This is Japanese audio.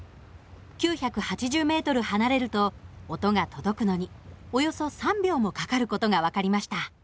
９８０ｍ離れると音が届くのにおよそ３秒もかかる事が分かりました。